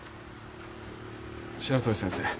白鳥先生